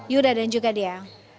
yudha dan juga dia